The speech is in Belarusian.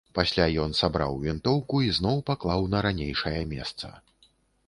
Пасля ён сабраў вінтоўку і зноў паклаў на ранейшае месца.